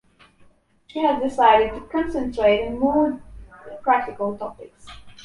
She has decided to concentrate in more practical topics.